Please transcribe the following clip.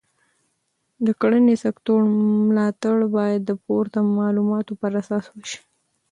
د کرنې سکتور ملاتړ باید د پورته معلوماتو پر اساس وشي.